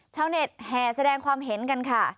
ชาวเน็ตแห่แสดงความเห็นกันค่ะ